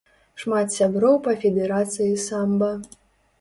Шмат сяброў па федэрацыі самба.